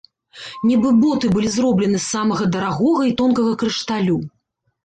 Нібы боты былі зроблены з самага дарагога і тонкага крышталю.